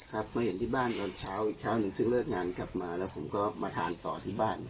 มาเห็นที่บ้านตอนเช้าอีกเช้าหนึ่งซึ่งเลิกงานกลับมาแล้วผมก็มาทานต่อที่บ้าน